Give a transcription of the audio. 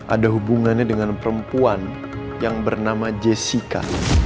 ada hubungannya dengan perempuan yang bernama jessica